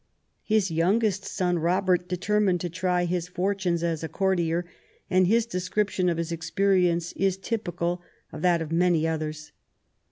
His youngest son, Robert, determined to try his fortunes as a courtier, and his description of his experience is typical of that of many others.